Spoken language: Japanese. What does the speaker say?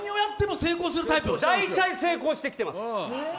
大体成功してきてます。